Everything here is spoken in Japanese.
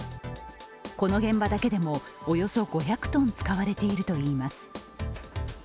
この現場だけでもおよそ５００ｔ使われているといいます。